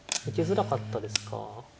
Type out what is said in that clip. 受けづらかったですか。